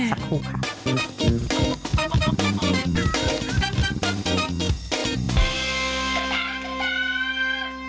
สักครู่ค่ะ